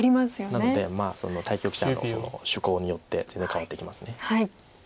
なのでその対局者の趣向によって全然変わってきます。